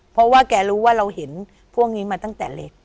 เพราะว่าแกรู้ว่าเราเห็นพวกนี้มาตั้งแต่เล็ก